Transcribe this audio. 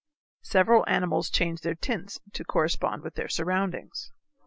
Several animals change their tints to correspond with their surroundings.